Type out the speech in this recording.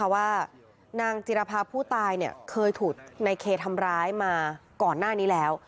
ว่านางจิรภาผู้ตายเคยถูกในเคทำร้ายมาก่อนหน้านี้แล้ว